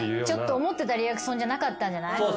思ってたリアクションじゃなかったんじゃない？